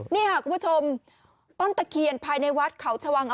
นี่ค่ะคุณผู้ชมต้นตะเคียนภายในวัดเขาชวัง